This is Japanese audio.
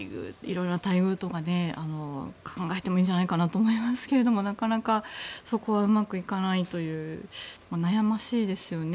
色々な待遇とかね考えてもいいんじゃないかと思いますけどそこがなかなかうまくいかないという悩ましいですよね。